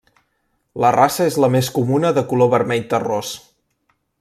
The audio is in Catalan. La raça és la més comuna de color vermell terrós.